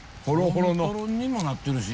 トロントロンにもなってるし。